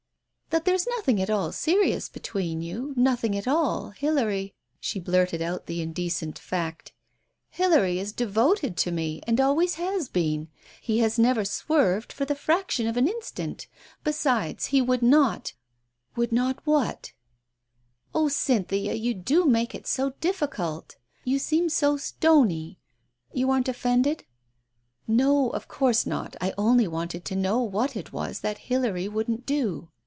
"That there is nothing at all serious between you — nothing at all, Hilary" — she blurted out the indecent fact — "Hilary is devoted to me, and always has been, he has never swerved for the fraction of an instant. Besides, he would not " "Would not what?" Digitized by Google THE MEMOIR 83 "Oh, Cynthia, you do make it so difficult! You seem so stony. ... You aren't offended?" "No, of course not, I only wanted to know what it was Hilary wouldn't do?"